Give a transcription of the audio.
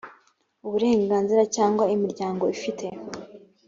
uburenganzira cyangwa imiryango ifite